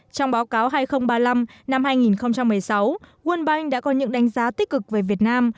trong báo cáo hai nghìn ba mươi năm năm hai nghìn một mươi sáu world bank đã có những đánh giá tích cực về việt nam